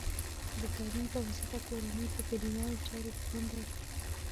د تعلیم په واسطه، کورنۍ په کلیوالو چارو کې ونډه اخلي.